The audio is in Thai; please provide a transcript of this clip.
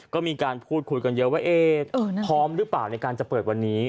ก็มีการพูดคุยกันเยอะว่าพร้อมหรือเปล่าในการจะเปิดวันนี้